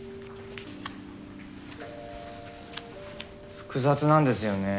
複雑なんですよね。